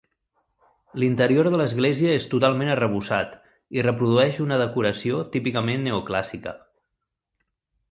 L'interior de l'església és totalment arrebossat i reprodueix una decoració típicament neoclàssica.